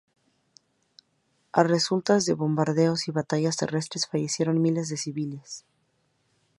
A resultas de bombardeos y batallas terrestres fallecieron miles de civiles.